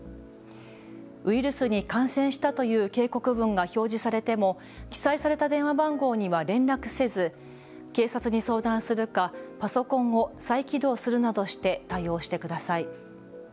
ウイルスに感染したという警告文が表示されても記載された電話番号には連絡せず警察に相談するかパソコンを再起動するなどして対応してください。